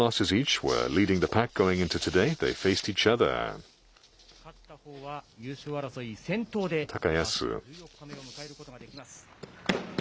勝ったほうは、優勝争い先頭であす１４日目を迎えることができます。